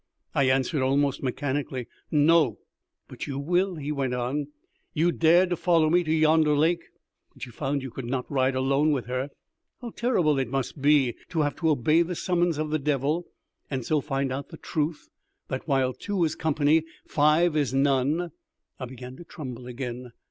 I answered almost mechanically, "No." "But you will," he went on. "You dared to follow me to yonder lake, but you found you could not ride alone with her. How terrible it must be to have to obey the summons of the devil, and so find out the truth that while two is company, five is none!" I began to tremble again.